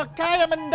aku mau ke kantor